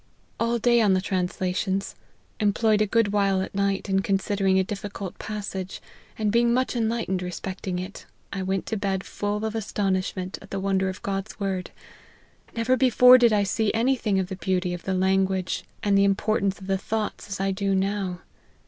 " All day on the translations : employed a good while at night in considering a difficult passage; and being much enlightened respecting it, I went to bed full of astonishment at the wonder oi God's word : never before did I see any thing of the beauty of the language and the importance LIFE OF HENRY MARTYN. 101 of the thoughts as I do now.